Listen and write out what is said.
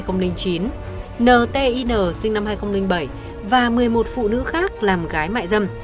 năm sinh năm hai nghìn bảy và một mươi một phụ nữ khác làm gái mại dâm